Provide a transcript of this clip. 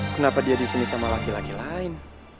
kenapa dia disini sama laki laki lain